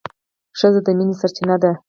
ښځه د مینې سرچینه ده.